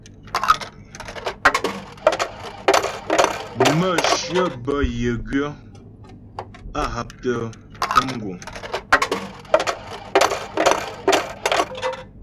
Mə̌shyə bə́ yə gwyə̌, á haptə mtə̀m guŋ.